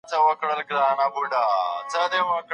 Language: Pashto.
خپل کورته دي ځه.